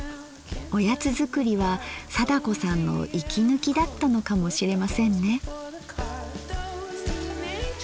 おやつ作りは貞子さんの息抜きだったのかもしれませんね。